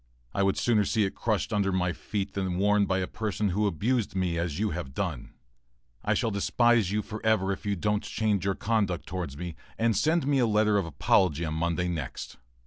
I would sooner see it crushed under my feet than worn by a person who abused me as you have done. I shall despise you for ever if you don't change your conduct towards me, and send me a letter of apology on Monday next.